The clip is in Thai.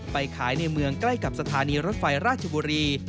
ไปขายในเมืองใกล้กับสถานีรถไฟราชบุรี